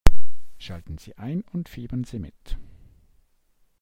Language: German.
Schalten Sie ein und fiebern Sie mit!